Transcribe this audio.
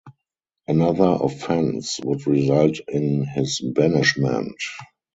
Another offence would result in his banishment.